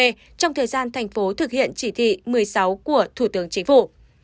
trường hợp vận chuyển người lao động tại các tỉnh thành phố thực hiện chỉ thị một mươi sáu của thủ tướng chính phủ